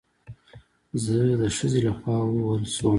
زه د ښځې له خوا ووهل شوم